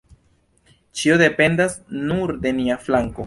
Ĉio dependas nur de nia flanko.